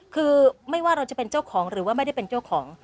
คือไม่ว่าเราจะเป็นเจ้าของหรือว่าไม่ได้เป็นเจ้าของ